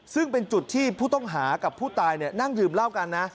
ซึ่งเป็นจุดที่ผู้ต้องหากับผู้ตายนั่งดื่มเหล้ากันนะ